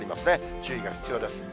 注意が必要です。